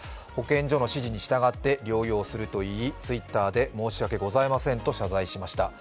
保健所の指示に従って療養するといい、Ｔｗｉｔｔｅｒで申し訳ございませんと謝罪しました。